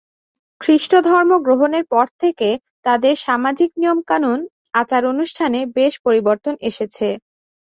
খ্রীষ্ট ধর্ম গ্রহণের পর থেকে তাদের সামাজিক নিয়ম-কানুন, আচার-অনুষ্ঠানে বেশ পরিবর্তন এসেছে।